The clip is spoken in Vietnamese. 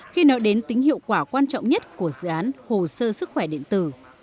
khi nói đến tính hiệu quả quan trọng nhất của dự án hồ sơ sức khỏe điện tử